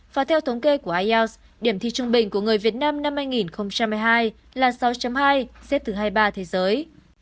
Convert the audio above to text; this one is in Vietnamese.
và theo thống kê của ielts điểm thi trung bình của người việt nam năm hai nghìn hai mươi hai là sáu hai xếp thứ hai mươi ba thế giới